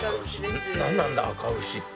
何なんだ赤牛って。